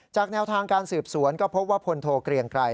แนวทางการสืบสวนก็พบว่าพลโทเกลียงไกร